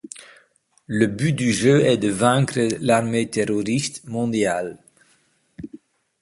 Le but du jeu est de vaincre l'Armée Terroriste Mondiale.